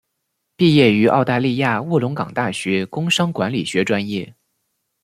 毕业于澳大利亚卧龙岗大学工商管理学专业。